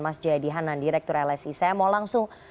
mas jayadi hanan direktur lsi saya mau langsung